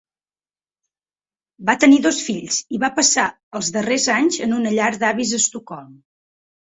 Va tenir dos fills i va passar els darrers anys en una llar d'avis d'Estocolm.